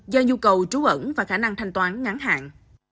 do nhu cầu trú ẩn và khả năng thanh toán ngắn hạn